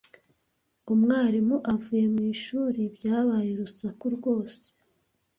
Umwarimu avuye mu ishuri, byabaye urusaku rwose.